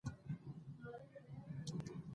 د رواني معالجې ملاتړ د ستونزو د کمېدو سبب کېږي.